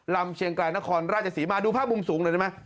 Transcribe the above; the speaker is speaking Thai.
ลำเชียงกลายนครราชศรีมาดูภาพมุมสูงเลยได้มั้ย